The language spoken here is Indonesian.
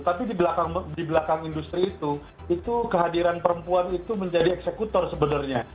tapi di belakang industri itu itu kehadiran perempuan itu menjadi eksekutor sebenarnya